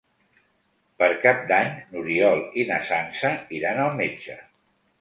Per Cap d'Any n'Oriol i na Sança iran al metge.